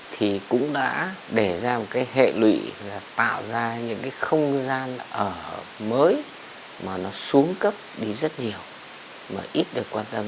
thì cũng đã để ra một hệ lụy tạo ra những không gian ở mới mà nó xuống cấp đi rất nhiều mà ít được quan tâm